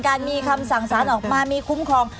มีคำสั่งสารออกมามีคุ้มครอง